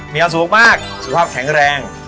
เมียสุขมากสุขภาพแข็งแรง